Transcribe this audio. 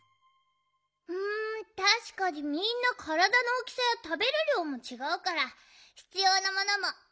うんたしかにみんなからだのおおきさやたべるりょうもちがうからひつようなものもいろいろだね。